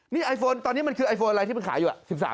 นี่ไอโฟนตอนนี้มันคือไอโฟนอะไรที่มันขายอยู่